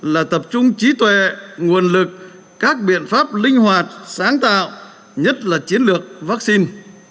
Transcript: là tập trung trí tuệ nguồn lực các biện pháp linh hoạt sáng tạo nhất là chiến lược vaccine